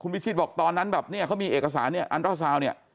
พิชิตบอกตอนนั้นก็มีเอกสารเนี่ยอัณตราเสาเนี่ย